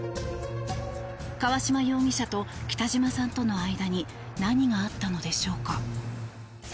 川島容疑者と北島さんとの間に何があったのでしょうか？